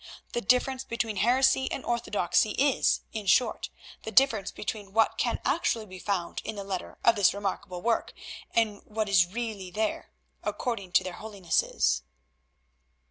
The difference between heresy and orthodoxy is, in short, the difference between what can actually be found in the letter of this remarkable work, and what is really there—according to their holinesses."